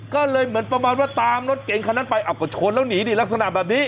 ก็เลยเหมือนประมาณว่าตามรถเก่งคันนั้นไปเอาก็ชนแล้วหนีดิลักษณะแบบนี้